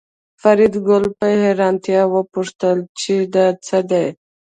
فریدګل په حیرانتیا وپوښتل چې دا څه دي